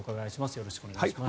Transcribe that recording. よろしくお願いします。